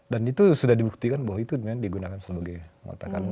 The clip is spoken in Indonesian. dan itu sudah dibuktikan bahwa itu digunakan sebagai mata kanung